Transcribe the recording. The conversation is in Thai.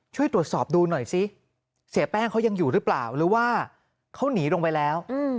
ช่วยตรวจสอบดูหน่อยซิเสียแป้งเขายังอยู่หรือเปล่าหรือว่าเขาหนีลงไปแล้ว